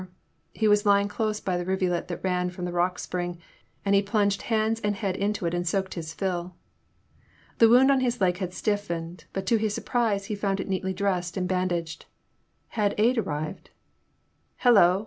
He was lying close by the rivulet that ran from the rock spring, and he plunged hands and head into it and soaked his fill. The wound on his leg had stiffened, but to his surprise he found it neatly dressed and bandaged. Had aid arrived ?*' Hello!